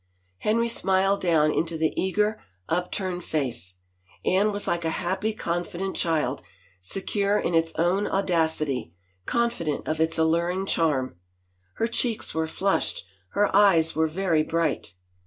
Henry smiled down into the eager, upturned face: Anne was like a happy confident child, secure in its own audacity, confident of its alluring charm. Her cheeks were flushed, her eyes were very bright.